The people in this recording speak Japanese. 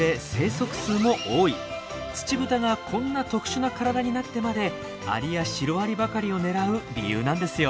ツチブタがこんな特殊な体になってまでアリやシロアリばかりを狙う理由なんですよ。